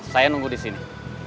saya nunggu di sini